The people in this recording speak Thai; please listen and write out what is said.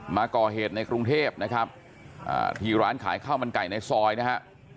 มาก่อเหตุในกรุงเทพนะครับที่ร้านขายข้าวมันไก่ในซอยนะฮะ